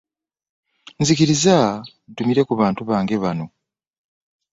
Nzikiriza ntumire ku bantu bange bano.